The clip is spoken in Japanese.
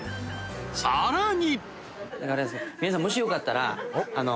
［さらに］